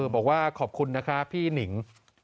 บอกว่าขอบคุณนะคะพี่หนิง